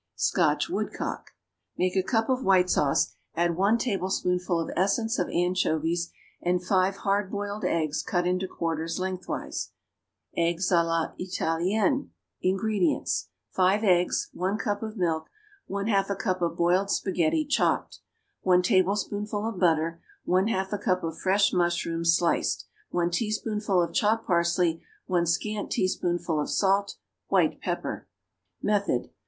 =Scotch Woodcock.= Make a cup of white sauce; add one tablespoonful of essence of anchovies and five hard boiled eggs cut into quarters lengthwise. =Eggs à la Italienne.= INGREDIENTS. 5 eggs. 1 cup of milk. 1/2 a cup of boiled spaghetti, chopped. 1 tablespoonful of butter. 1/2 a cup of fresh mushrooms, sliced. 1 teaspoonful of chopped parsley. 1 scant teaspoonful of salt. White pepper. _Method.